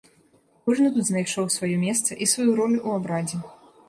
Кожны тут знайшоў сваё месца і сваю ролю ў абрадзе.